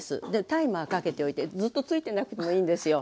タイマーかけておいてずっとついてなくてもいいんですよ。